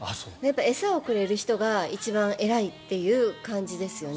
餌をくれる人が一番偉いという感じですよね。